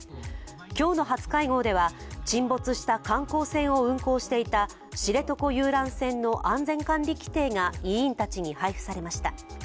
今日の初会合では、沈没した観光船を運航していた知床遊覧船の安全管理規程が委員たちに配付されました。